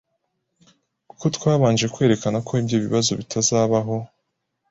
kuko twabanje kwerekana ko ibyo bibazo bitazabaho